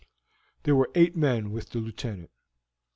There were eight men with the Lieutenant.